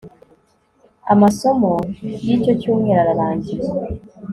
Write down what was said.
Amasomo y icyo cyumweru ararangiye